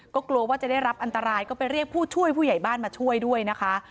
ก็กลัวว่าจะได้รับอันตรายก็ไปเรียกผู้ช่วยผู้ใหญ่บ้านมาช่วยด้วยนะคะ